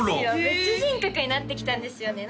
別人格になってきたんですよね